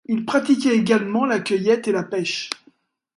Ils pratiquaient également la cueillette et la pêche.